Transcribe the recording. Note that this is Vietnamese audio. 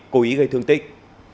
cố ý gây thương tích